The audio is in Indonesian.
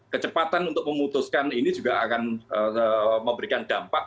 kecepatan untuk memutuskan ini juga akan memberikan dampak